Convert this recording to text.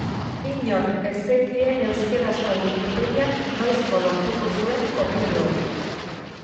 Inork ez zekien euskarazko Wikipediak noizko lortuko zuen kopuru hori.